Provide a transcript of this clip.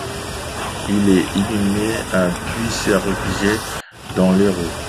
Il est inhumé à Puisserguier dans l'Hérault.